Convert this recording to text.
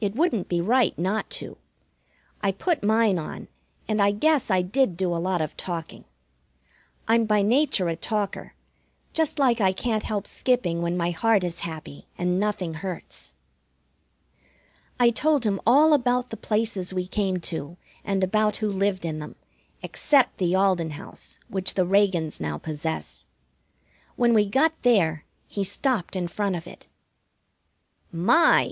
It wouldn't be right not to. I put mine on, and I guess I did do a lot of talking. I'm by nature a talker, just like I can't help skipping when my heart is happy and nothing hurts. I told him about all the places we came to, and about who lived in them, except the Alden house which the Reagans now possess. When we got there he stopped in front of it. "My!"